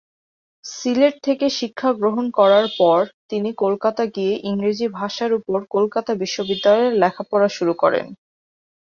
সিলেট থেকে শিক্ষা গ্রহণ করার পর তিনি কলকাতা গিয়ে ইংরেজি ভাষার উপর কলকাতা বিশ্ববিদ্যালয়ে লেখাপড়া শুরু করেন।